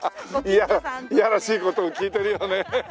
いやらしい事を聞いてるよね。